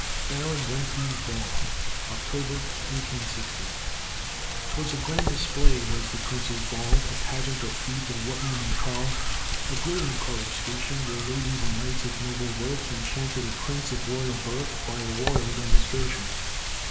BARON RENFREW'S BALL [October, 1860] 'Twas a grand display was the prince's ball, A pageant or fête, or what you may call A brilliant coruscation, Where ladies and knights of noble worth Enchanted a prince of royal birth By a royal demonstration.